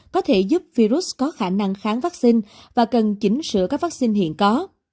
có thể giúp virus có khả năng kháng vaccine và cần chỉnh sửa các vaccine hiện có